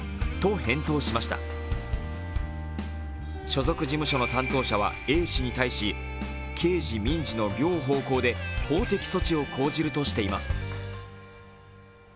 所属事務所の担当者はＡ氏に対し刑事・民事の両方向で法的措置を講じるとしています。